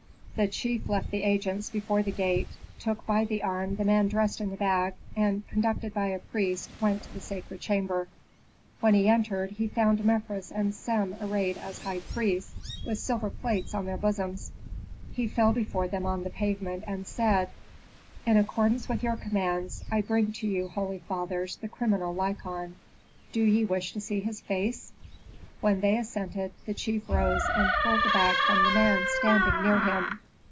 The chief left the agents before the gate, took by the arm the man dressed in the bag, and, conducted by a priest, went to the sacred chamber. When he entered, he found Mefres and Sem arrayed as high priests, with silver plates on their bosoms. He fell before them on the pavement, and said, "In accordance with your commands, I bring to you, holy fathers, the criminal Lykon. Do ye wish to see his face?" When they assented, the chief rose, and pulled the bag from the man standing near him.